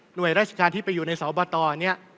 ราชการที่ไปอยู่ในสบตเนี่ย